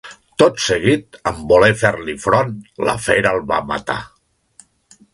Tot seguit, en voler fer-li front, la fera el va matar.